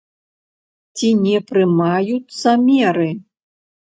Ці не прымаюцца меры.